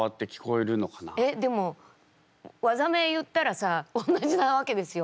えっでも技名言ったらさ同じなわけですよ。